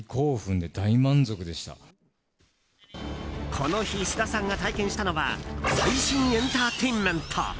この日菅田さんが体験したのは最新エンターテインメント。